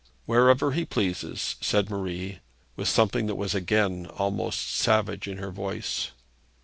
'Wherever he pleases,' said Marie, with something that was again almost savage in her voice.